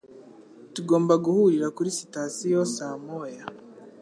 Tugomba guhurira kuri sitasiyo saa moya.